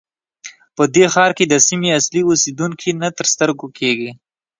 په دې ښار کې د سیمې اصلي اوسېدونکي نه تر سترګو کېږي.